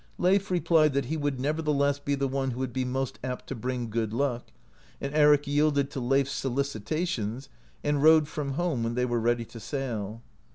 Leif replied that he would nevertheless be the one who would be most apt to bring good luck, and Eric yielded to Leif's solicitations, and rode from home when they were ready to sail.